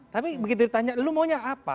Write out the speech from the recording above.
tapi begitu ditanya lu maunya apa